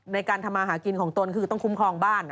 ในการทำมาหากินของตนคือต้องคุ้มครองบ้าน